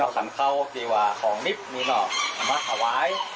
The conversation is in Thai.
ขันเข้าของนิสมีขันขวาย